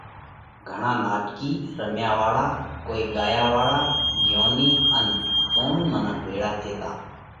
گھڻا ناٽڪِي، رميا واۯا، ڪوِي، ڳايا واۯا، ڳيونِي ان زوڻُو منک ڀيۯا ٿيتا۔